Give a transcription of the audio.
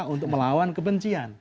untuk melawan kebencian